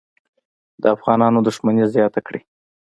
د افغانانو دښمني زیاته کړي.